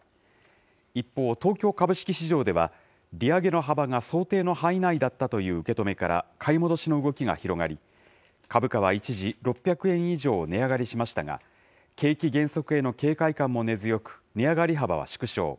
一方、東京株式市場では、利上げの幅が想定の範囲内だったという受け止めから、買い戻しの動きが広がり、株価は一時、６００円以上値上がりしましたが、景気減速への警戒感も根強く、値上がり幅は縮小。